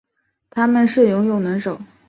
它们是游泳能手。